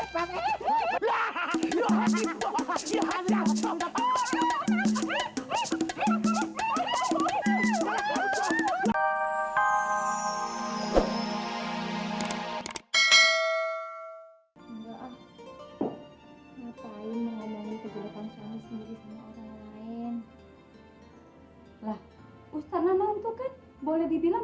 boleh dibilang bukan orang lain lah ustadz nonton tuh kan boleh dibilang